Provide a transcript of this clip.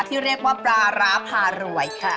ที่เรียกว่าปลาร้าพารวยค่ะ